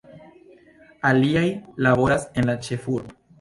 Aliaj laboras en la ĉefurbo.